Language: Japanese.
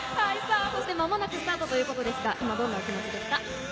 まもなくスタートということですが、どんな気持ちですか？